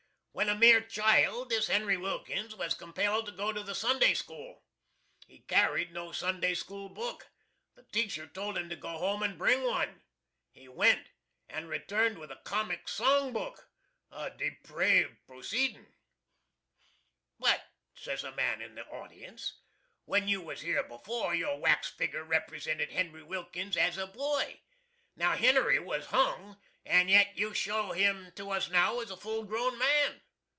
When a mere child this HENRY WILKINS was compelled to go to the Sunday school. He carried no Sunday school book. The teacher told him to go home and bring one. He went and returned with a comic song book. A depraved proceedin'." "But," says a man in the audience, "when you was here before your wax figger represented HENRY WILKINS as a boy. Now, HENRY was hung, and yet you show him to us now as a full grown man!